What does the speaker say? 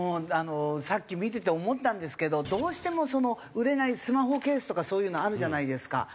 さっき見てて思ったんですけどどうしても売れないスマホケースとかそういうのあるじゃないですか。